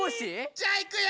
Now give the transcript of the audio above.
じゃあいくよ！